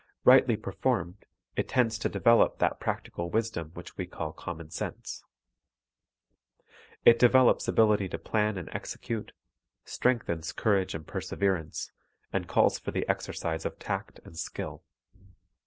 Rightly per formed, it tends to develop that practical wisdom which we call common sense. It develops ability to plan and execute, strengthens courage and perseverance, and calls for the exercise of tact and skill.